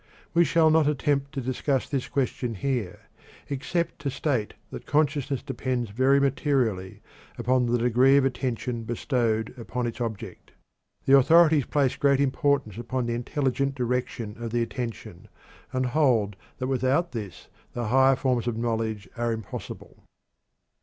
We shall not attempt to discuss this question here, except to state that consciousness depends very materially upon the degree of attention bestowed upon its object. The authorities place great importance upon the intelligent direction of the attention, and hold that without this the higher forms of knowledge are impossible.